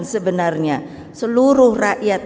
sebenarnya seluruh rakyat